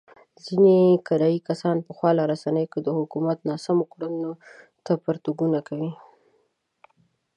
ځنې کرايي کسان په خواله رسينو کې د حکومت ناسمو کړنو ته پرتوګونه کوي.